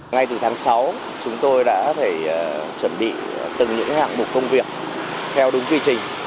ngay từ tháng sáu chúng tôi đã chuẩn bị từng những hạng bộ công việc theo đúng quy trình